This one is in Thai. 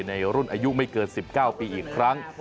ในรุ่นอายุไม่เกิน๑๙ปีอีกครั้ง